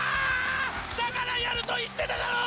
だからやるといってただろう！